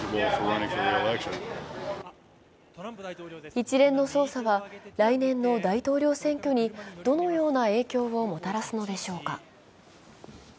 一連の捜査は来年の大統領選挙にどのような影響をもたらすのでしょうか。